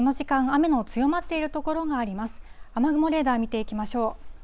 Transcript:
雨雲レーダー見ていきましょう。